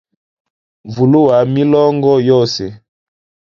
Vuluwa milongo yose.